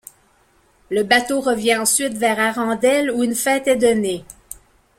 Le bateau reviens ensuite vers Arendelle où une fête est donnée.